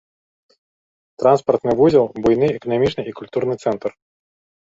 Транспартны вузел, буйны эканамічны і культурны цэнтр.